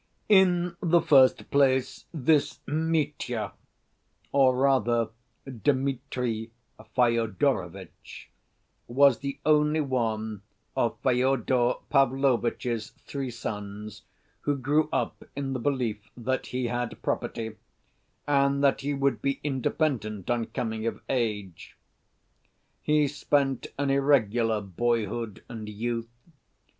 In the first place, this Mitya, or rather Dmitri Fyodorovitch, was the only one of Fyodor Pavlovitch's three sons who grew up in the belief that he had property, and that he would be independent on coming of age. He spent an irregular boyhood and youth.